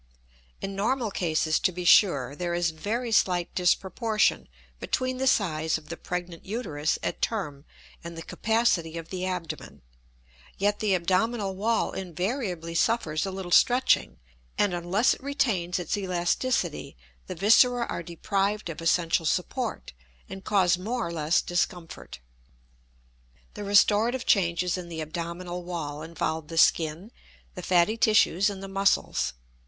In normal cases, to be sure, there is very slight disproportion between the size of the pregnant uterus at term and the capacity of the abdomen, yet the abdominal wall invariably suffers a little stretching and unless it retains its elasticity, the viscera are deprived of essential support, and cause more or less discomfort. The restorative changes in the abdominal wall involve the skin, the fatty tissues, and the muscles.